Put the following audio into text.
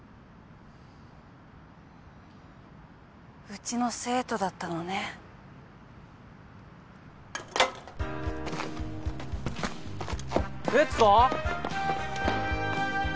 うちの生徒だったのね鉄子？